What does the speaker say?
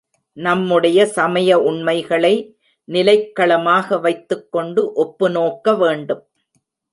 நம்முடைய சமய உண்மைகளை நிலைக்களமாக வைத்துக் கொண்டு ஒப்பு நோக்க வேண்டும்.